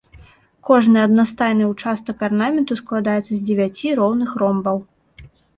Кожны аднастайны ўчастак арнаменту складаецца з дзевяці роўных ромбаў.